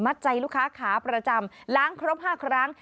ใจลูกค้าขาประจำล้างครบ๕ครั้ง